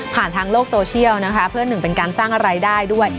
ทางโลกโซเชียลนะคะเพื่อหนึ่งเป็นการสร้างรายได้ด้วย